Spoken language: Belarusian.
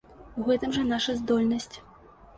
У гэтым жа наша здольнасць.